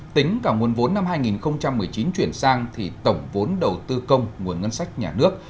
tính cả nguồn vốn năm hai nghìn một mươi chín chuyển sang thì tổng vốn đầu tư công nguồn ngân sách nhà nước